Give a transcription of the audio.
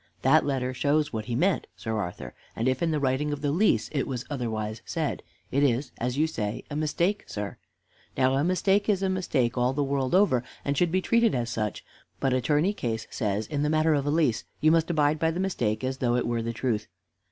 That letter shows what he meant, Sir Arthur, and if in the writing of the lease it was otherwise said, it is, as you say, a mistake, sir. Now a mistake is a mistake all the world over, and should be treated as such, but Attorney Case says in the matter of a lease you must abide by the mistake as though it were the truth."